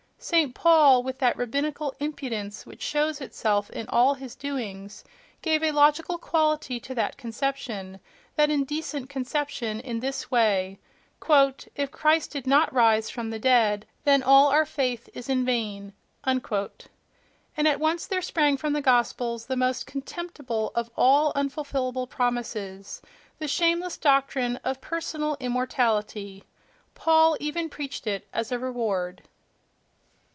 St. Paul, with that rabbinical impudence which shows itself in all his doings, gave a logical quality to that conception, that indecent conception, in this way: "If Christ did not rise from the dead, then all our faith is in vain!"—And at once there sprang from the Gospels the most contemptible of all unfulfillable promises, the shameless doctrine of personal immortality.... Paul even preached it as a reward....